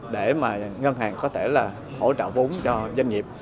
để mà ngân hàng có thể là hỗ trợ vốn cho doanh nghiệp